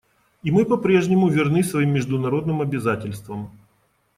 И мы по-прежнему верны своим международным обязательствам.